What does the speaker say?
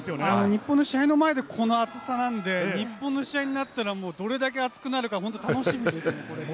日本の試合の前で、この暑さなんで、日本の試合になったら、もうどれだけ熱くなるか、ほんと楽しみですね、これから。